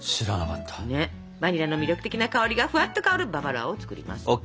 バニラの魅力的な香りがふわっと香るババロアを作ります！